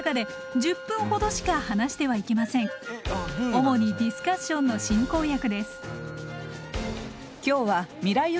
主にディスカッションの進行役です。